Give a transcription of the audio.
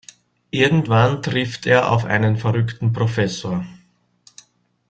Irgendwann trifft er auf einen verrückten Professor.